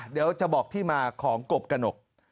เดี๋ยวจะบอกที่มาของกบกระหนก